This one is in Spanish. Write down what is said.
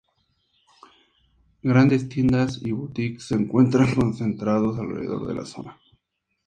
Grandes tiendas y boutiques se encuentran concentrados alrededor de la zona.